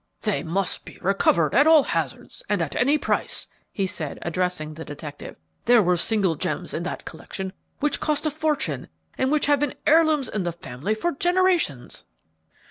"They must be recovered at all hazards and at any price," he said, addressing the detective. "There were single gems in that collection which cost a fortune and which have been heirlooms in the family for generations."